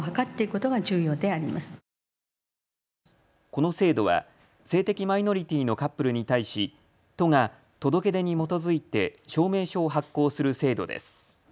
この制度は性的マイノリティーのカップルに対し都が届け出に基づいて証明書を発行する制度です。